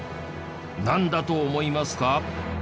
なんだと思いますか？